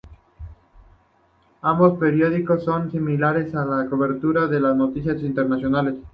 Ambos periódicos son similares en la cobertura de las noticias internacionales.